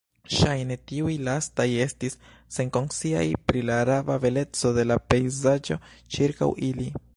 Ŝajne tiuj lastaj estis senkonsciaj pri la rava beleco de la pejzaĝo ĉirkaŭ ili.